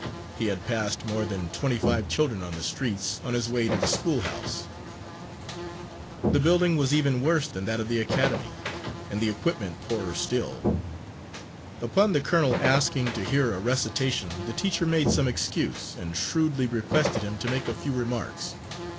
He had passed more than twenty five children on the streets, on his way to the schoolhouse. The building was even worse than that of the academy, and the equipment poorer still. Upon the colonel asking to hear a recitation, the teacher made some excuse and shrewdly requested him to make a few remarks.